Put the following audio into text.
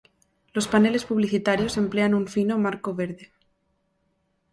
Los paneles publicitarios emplean un fino marco verde.